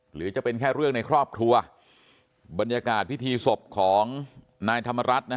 หรือจะเป็นแค่เรื่องในครอบครัวบรรยากาศพิธีศพของนายธรรมรัฐนะฮะ